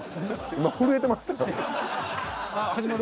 今震えてましたから。